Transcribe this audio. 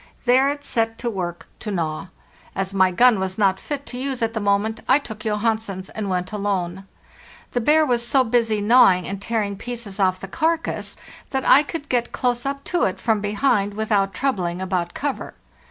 There it set to work to gnaw. As my gun was not fit to use at the moment, I took Johansen's and went alone. The bear was so busy gnawing and tearing pieces off the carcass that I could get close up to it from behind without troubling about cover.